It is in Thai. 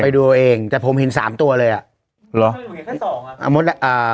ไปดูเอาเองแต่ผมเห็น๓ตัวเลยอ่ะเห็นแค่๒อ่ะ